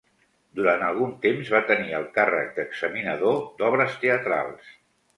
Durant algun temps, va tenir el càrrec d'examinador d'obres teatrals.